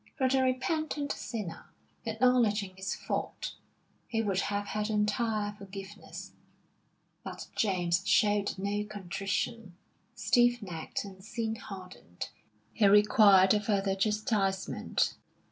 For the repentant sinner, acknowledging his fault, he would have had entire forgiveness; but James showed no contrition. Stiff necked and sin hardened, he required a further chastisement.